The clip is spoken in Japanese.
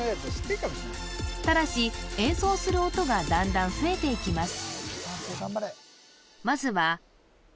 ただし演奏する音がだんだん増えていきます